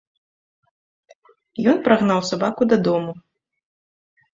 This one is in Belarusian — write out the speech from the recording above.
Ён прагнаў сабаку дадому.